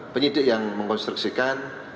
penyidik yang mengkonstruksikan